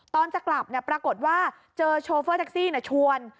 ตอนจะกลับปรากฏว่าเจอโชเฟอร์แท็กซี่ชวน